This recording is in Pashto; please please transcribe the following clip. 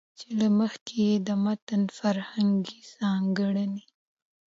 چې له مخې يې د متن فرهنګي ځانګړنې